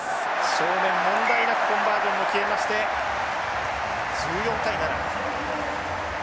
正面問題なくコンバージョンも決めまして１４対７。